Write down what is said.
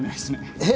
えっ？